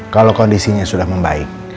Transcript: kalau kondisinya sudah membaik